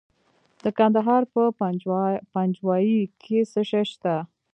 د کندهار په پنجوايي کې څه شی شته؟